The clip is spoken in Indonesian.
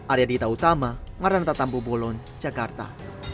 area dita utama marantatampo bolon jakarta